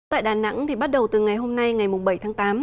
tại đà nẵng bắt đầu từ ngày hôm nay ngày bảy tháng tám